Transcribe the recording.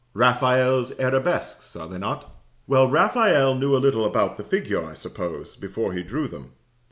Raphael's arabesques; are they not? Well, Raphael knew a little about the figure, I suppose, before he drew them.